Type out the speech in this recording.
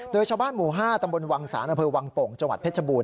โดยชาวบ้านหมู่๕ตำบลวังสาณวังโป่งจเพชรบูรณ์